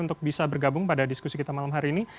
untuk bisa bergabung pada diskusi kita malam hari ini